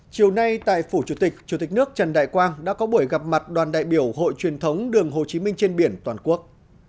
chiều nay tại phủ chủ tịch chủ tịch nước trần đại quang đã có buổi gặp mặt đoàn đại biểu hội truyền thống đường hồ chí minh trên biển toàn quốc